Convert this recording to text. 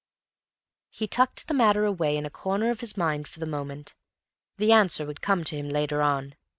He tucked the matter away in a corner of his mind for the moment; the answer would come to him later on.